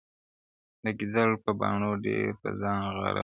د ګیدړ په باټو ډېر په ځان غره سو-